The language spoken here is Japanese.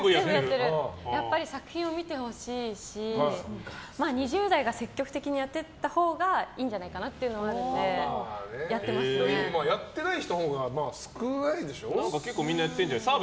やっぱり作品を見てほしいし２０代が積極的にやっていったほうがいいんじゃないかなっていうのがあるのでやってない人のほうが結構みんなやってるじゃん。